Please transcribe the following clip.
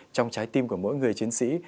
trong trái tim của mỗi người chiến sĩ